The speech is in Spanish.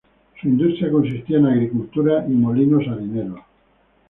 Su industria consistía en agricultura y molinos harineros.